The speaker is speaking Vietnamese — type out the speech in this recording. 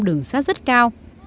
đường sắt rất cao